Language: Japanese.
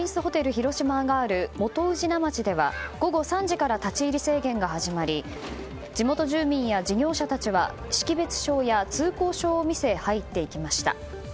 広島がある元宇品町では午後３時から立ち入り制限が始まり地元住民や事業者たちは識別証や通行証を見せ入っていきました。